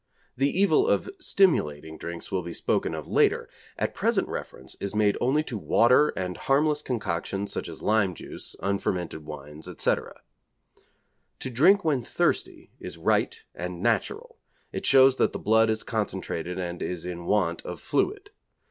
The evil of stimulating drinks will be spoken of later; at present reference is made only to water and harmless concoctions such as lime juice, unfermented wines, etc. To drink when thirsty is right and natural; it shows that the blood is concentrated and is in want of fluid.